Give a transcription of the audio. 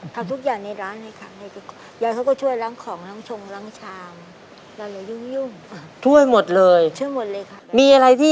ทำทุกอย่างในร้านเห็นทุกอย่าง